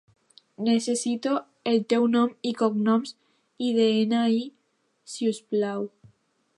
Necessito el teu nom i cognoms i de-ena-i, si us plau.